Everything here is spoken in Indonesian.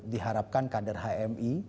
diharapkan kader hmi